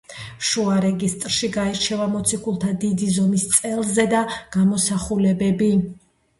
შუა რეგისტრში გაირჩევა მოციქულთა დიდი ზომის წელზედა გამოსახულებები.